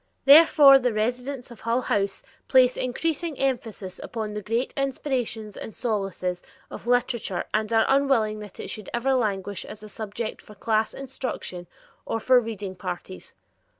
Therefore the residents of Hull House place increasing emphasis upon the great inspirations and solaces of literature and are unwilling that it should ever languish as a subject for class instruction or for reading parties.